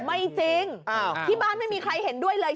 ไม่จริงที่บ้านไม่มีใครเห็นด้วยเลย